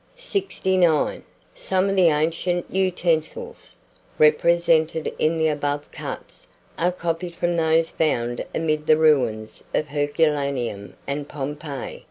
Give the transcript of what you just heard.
69. SOME OF THE ANCIENT UTENSILS represented in the above cuts, are copied from those found amid the ruins of Herculaneum and Pompeii.